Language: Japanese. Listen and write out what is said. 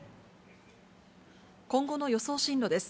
今後の予想進路です。